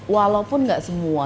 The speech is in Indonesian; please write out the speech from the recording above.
walaupun gak semua